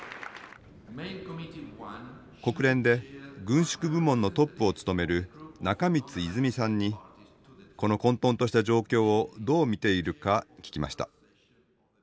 国連で軍縮部門のトップを務める中満泉さんにこの混とんとした状況をどう見ているか聞きました。